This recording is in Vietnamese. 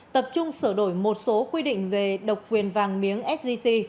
tập trung sửa đổi một số quy định về độc quyền vàng miếng sgc